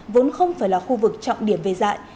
vốn không phải là khu vực trọng điểm về dạy